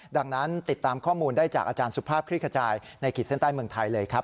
ดังนั้นติดตามข้อมูลได้จากอาจารย์สุภาพคลิกขจายในขีดเส้นใต้เมืองไทยเลยครับ